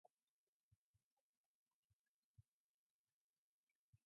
She currently lives in rural De Soto.